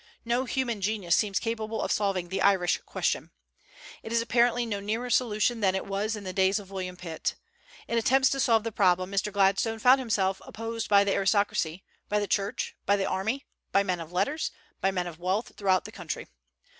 No human genius seems capable of solving the Irish question. It is apparently no nearer solution than it was in the days of William Pitt. In attempts to solve the problem, Mr. Gladstone found himself opposed by the aristocracy, by the Church, by the army, by men of letters, by men of wealth throughout the country.